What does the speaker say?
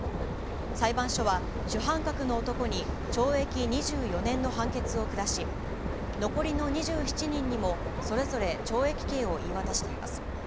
裁判所は主犯格の男に懲役２４年の判決を下し、残りの２７人にも、それぞれ懲役刑を言い渡しています。